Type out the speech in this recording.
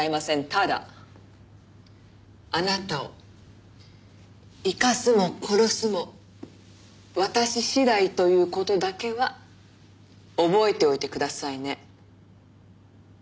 ただあなたを生かすも殺すも私次第という事だけは覚えておいてくださいね。